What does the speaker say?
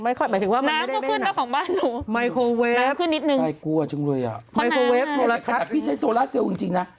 ไม่ค่อยหมายถึงว่ามันไม่ได้เบี้ยหนัก